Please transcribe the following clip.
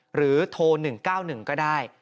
หรือโทร๑๙๑ก็ได้